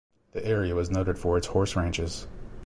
The area was noted for its horse ranches.